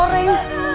bunda tenang bunda